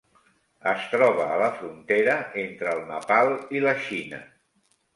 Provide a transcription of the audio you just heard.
Es troba a la frontera entre el Nepal i la Xina.